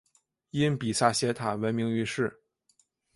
因比萨斜塔闻名于世。